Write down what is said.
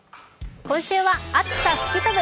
今週は暑さ吹き飛ぶ！